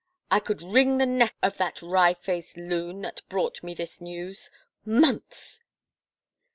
I could wring the neck of that wry faced loon that brought me this news. ,.. Months